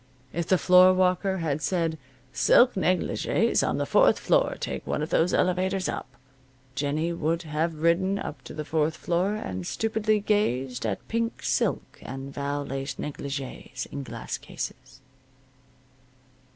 If the floorwalker had said, "Silk negligees on the fourth floor. Take one of those elevators up," Jennie would have ridden up to the fourth floor, and stupidly gazed at pink silk and val lace negligees in glass cases.